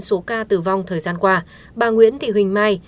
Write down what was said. số ca tử vong thời gian qua bà nguyễn thị huỳnh mai